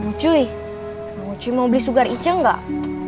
mau cuy mau cuy mau beli sugar iceng gak